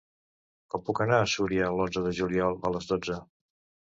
Com puc anar a Súria l'onze de juliol a les dotze?